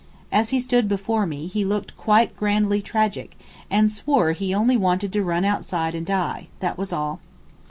As he stood before me, he looked quite grandly tragic; and swore he only wanted to run outside and die; that was all.